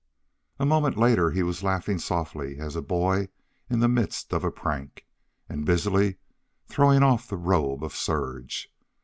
A moment later he was laughing softly as a boy in the midst of a prank, and busily throwing off the robe of serge.